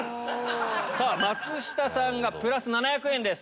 松下さんがプラス７００円です